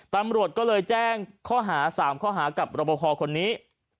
ตำรวจก็เลยแจ้งข้อหา๓ข้อหากับรบพอคนนี้